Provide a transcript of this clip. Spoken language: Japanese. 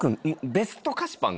ベスト菓子パン？